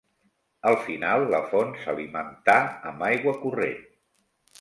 Al final la font s'alimentà amb aigua corrent.